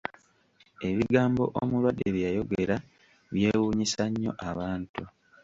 Ebigambo omulwadde bye yayogera byewunyisa nnyo abantu!